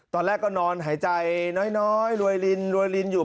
ตอนแรกก็นอนหายใจน้อยรวยลินรวยลินอยู่